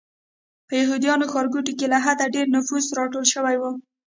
په یهودیانو ښارګوټي کې له حده ډېر نفوس راټول شوی و.